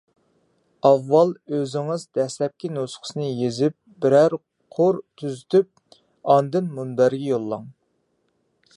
ئاۋۋال ئۆزىڭىز دەسلەپكى نۇسخىسىنى يېزىپ بىرەر قۇر تۈزىتىپ، ئاندىن مۇنبەرگە يوللاڭ.